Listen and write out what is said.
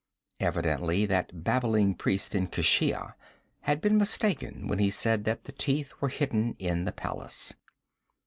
Evidently that babbling priest in Keshia had been mistaken when he said the Teeth were hidden in the palace.